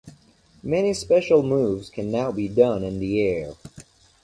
Many special moves can now be done in the air.